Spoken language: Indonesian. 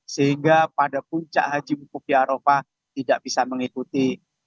sehingga pada puncak haji buku di arofah tidak bisa mengikuti